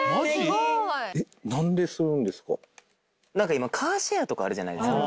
今カーシェアとかあるじゃないですか。